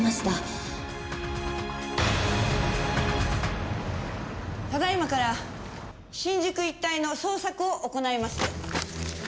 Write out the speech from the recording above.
ただ今から新宿一帯の捜索を行います。